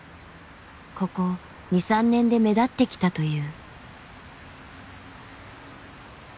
ここ２３年で目立ってきたという。